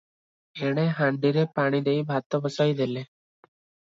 ଏଣେ ହାଣ୍ଡିରେ ପାଣିଦେଇ ଭାତବସାଇ ଦେଲେ ।